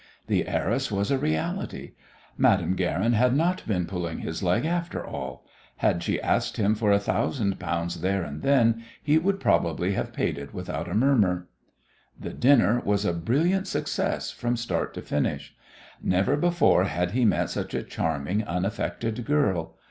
The heiress was a reality. Madame Guerin had not been "pulling his leg" after all. Had she asked him for a thousand pounds there and then he would probably have paid it without a murmur. The dinner was a brilliant success from start to finish. Never before had he met such a charming, unaffected girl.